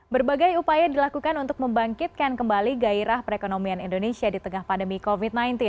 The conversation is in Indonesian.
berbagai upaya dilakukan untuk membangkitkan kembali gairah perekonomian indonesia di tengah pandemi covid sembilan belas